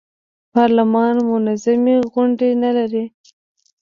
پارلمان منظمې غونډې نه لرلې.